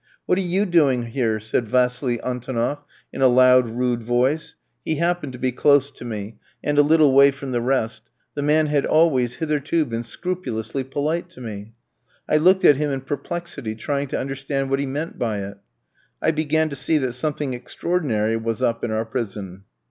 "What are you doing here?" said Vassili Antonoff, in a loud, rude voice; he happened to be close to me, and a little way from the rest; the man had always hitherto been scrupulously polite to me. I looked at him in perplexity, trying to understand what he meant by it; I began to see that something extraordinary was up in our prison.